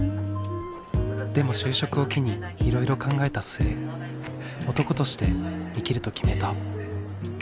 でも就職を機にいろいろ考えた末男として生きると決めた。